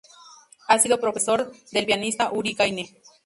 Ha sido profesor del pianista Uri Caine.